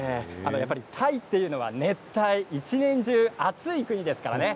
タイというのは熱帯一年中、暑い国ですからね。